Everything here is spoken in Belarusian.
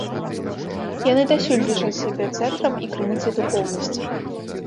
Яны дасюль лічаць сябе цэнтрам і крыніцай духоўнасці.